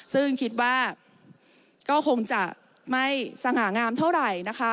ซึ่งคิดว่าก็คงจะไม่สง่างามเท่าไหร่นะคะ